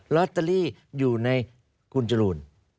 ลอตเตอรี่อยู่ในคุณจรูน